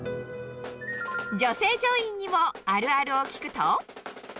女性乗員にもあるあるを聞くと。